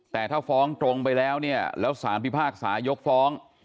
แต่ถ้าฟ้องตรงไปแล้วเนี่ยแล้วสารพิพากษายกฟ้อง